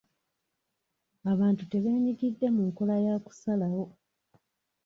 Abantu tebenyigidde mu nkola ya kusalawo.